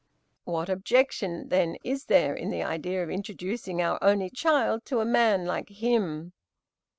What objection then is there in the idea of introducing our only child to a man like him?